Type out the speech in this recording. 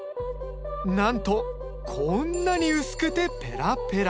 なんとこんなに薄くてペラペラ。